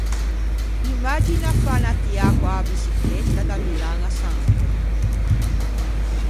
Imagina fâ unna tiâ co-a biçicletta da Milan à Sanremmo!